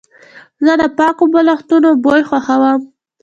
زه د پاکو بالښتونو بوی خوښوم.